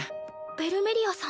ベルメリアさん。